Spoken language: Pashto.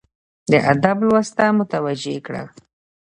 د ادب لوست ته متوجه کړل،